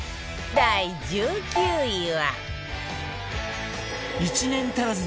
第１９位は。